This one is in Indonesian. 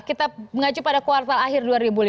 kita mengacu pada kuartal akhir dua ribu lima belas